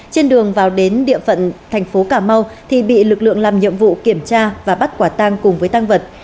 trên đường vào đến địa phận tp ca mau thì bị lực lượng làm nhiệm vụ kiểm tra và bắt quả tang cùng với tăng vật